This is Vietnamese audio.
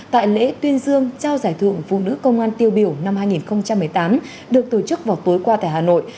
tại lễ tuyên dương trao giải thưởng phụ nữ công an tiêu biểu năm hai nghìn một mươi tám được tổ chức vào tối qua tại hà nội